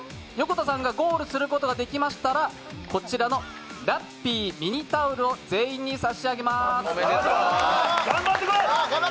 横田さんがゴールすることができましたらこちらのラッピーミニタオルを全員に差し上げます。